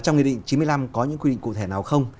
trong nghị định chín mươi năm có những quy định cụ thể nào không